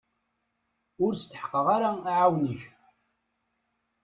Ur steḥqeɣ ara aɛiwen-ik.